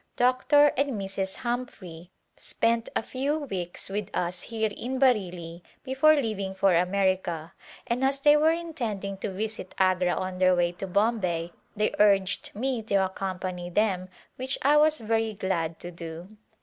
Dr. and Mrs. Hum phrey spent a ^^^ weeks with us here in Bareilly be fore leaving for America and as they were intending to visit Agra on their way to Bombay they urged me to accompany them which I was very glad to do.